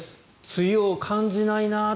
梅雨を感じないな。